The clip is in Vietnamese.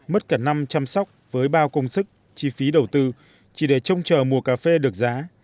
mất cả năm chăm sóc với bao công sức chi phí đầu tư chỉ để trông chờ mùa cà phê được giá